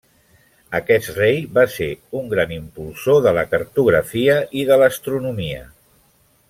Aquest rei va ser un gran impulsor de la cartografia i de l'astronomia.